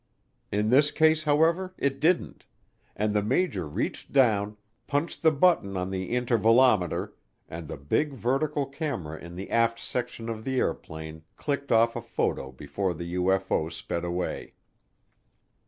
In this case, however, it didn't, and the major reached down, punched the button on the intervalometer, and the big vertical camera in the aft section of the airplane clicked off a photo before the UFO sped away.